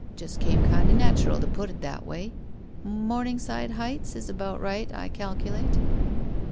Just came kind of natural to put it that way. Morning side Heights is about right, I calculate."